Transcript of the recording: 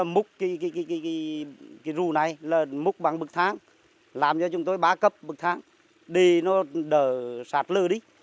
múc cái rù này là múc bằng bức tháng làm cho chúng tôi ba cấp bức tháng để nó đỡ sạt lở đi